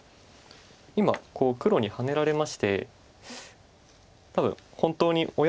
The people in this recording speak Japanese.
今こう黒にハネられまして多分本当におや？